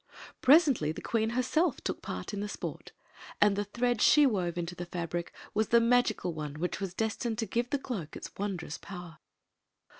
Presently the queen herself took part in the sport, and the thread she wove into the fabric was the magical one which was destined to give the cloak its wondrous power.